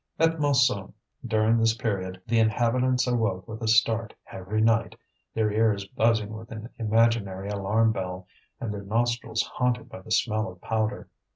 At Montsou, during this period, the inhabitants awoke with a start every night, their ears buzzing with an imaginary alarm bell and their nostrils haunted by the smell of powder.